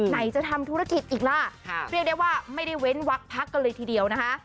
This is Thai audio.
ไหนจะทำธุรกิจอีกล่ะเรียกได้ว่าไม่ได้เว้นวักพักกันเลยทีเดียวนะคะ